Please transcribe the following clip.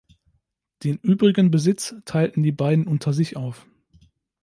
Den übrigen Besitz teilten die beiden unter sich auf.